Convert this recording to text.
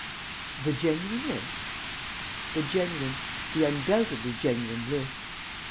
"The genuine list?" "The genuine, the undoubtedly genuine list."